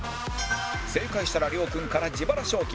正解したら亮君から自腹賞金